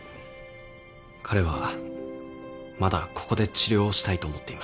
彼はまだここで治療をしたいと思っていました。